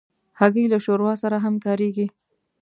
هګۍ له شوربا سره هم کارېږي.